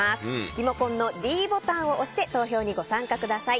リモコンのｄボタンを押して投票にご参加ください。